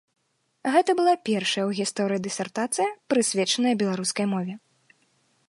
Гэта была першая ў гісторыі дысертацыя, прысвечаная беларускай мове.